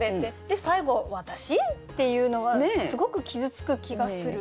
で最後私？っていうのはすごく傷つく気がする。